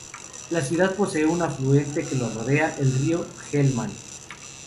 La ciudad posee un afluente que lo rodea, el río Helmand.